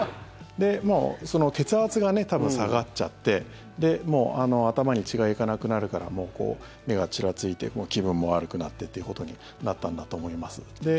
もう血圧が多分下がっちゃってもう頭に血が行かなくなるから目がちらついて気分も悪くなってということになったんだと思います。